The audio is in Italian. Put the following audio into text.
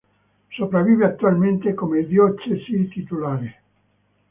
Sopravvive attualmente come diocesi titolare.